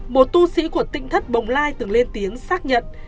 một tu sĩ của tinh thất bồng lai từng lên tiếng xác nhận